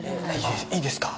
いいですか？